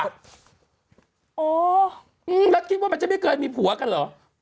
โอ้โหแล้วคิดว่ามันจะไม่เคยมีผัวกันเหรอ